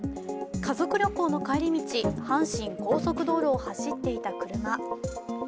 家族旅行の帰り道、阪神高速道路を走っていた車。